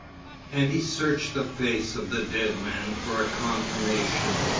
And he searched the face of the dead man for a confirmation.